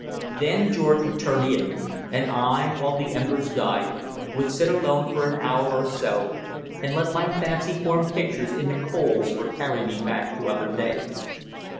Then George would turn in, and I, while the embers died, would sit alone for an hour or so and let my fancy form pictures in the coals or carry me back to other days.